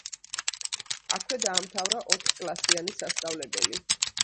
აქვე დაამთავრა ოთხკლასიანი სასწავლებელი.